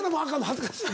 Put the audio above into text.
恥ずかしい！